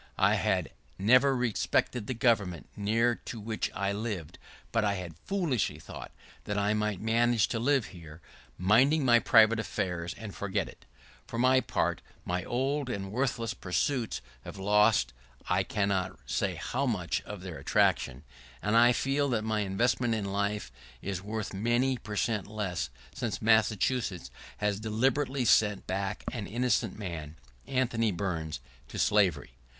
I had never respected the government near to which I lived, but I had foolishly thought that I might manage to live here, minding my private affairs, and forget it. For my part, my old and worthiest pursuits have lost I cannot say how much of their attraction, and I feel that my investment in life here is worth many per cent less since Massachusetts last deliberately sent back an innocent man, Anthony Burns, to slavery.